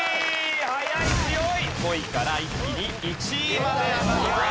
５位から一気に１位まで上がります。